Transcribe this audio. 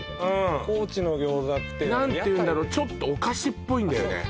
高知の餃子って屋台うん何ていうんだろちょっとお菓子っぽいんだよねあっ